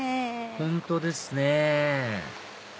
本当ですね